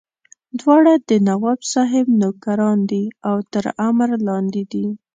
دواړه د نواب صاحب نوکران دي او تر امر لاندې دي.